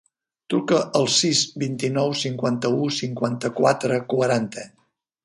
Truca al sis, vint-i-nou, cinquanta-u, cinquanta-quatre, quaranta.